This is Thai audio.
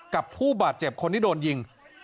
กับผู้บาดเจ็บคนที่โดนยิง